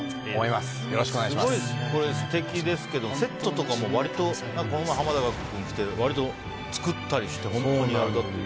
すごい素敵ですけどセットとかも割とこの間、濱田岳君来て割と作ったりして本当にあれだって。